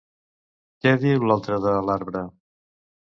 Què diu l'altre de l'arbre?